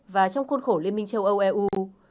và trong khuôn khổ liên minh châu âu eu